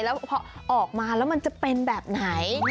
แล้วพอออกมาแล้วมันจะเป็นแบบไหน